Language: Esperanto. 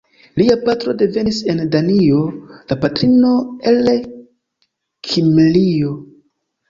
Lia patro devenis en Danio, la patrino el Kimrio.